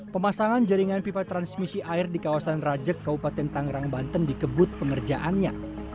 pemasangan jaringan pipa transmisi air di kawasan rajek kabupaten tangerang banten dikebut pengerjaannya